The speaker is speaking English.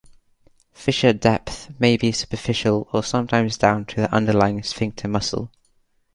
Fissure depth may be superficial or sometimes down to the underlying sphincter muscle.